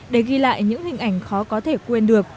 để ghi lại những hình ảnh khó có thể quên được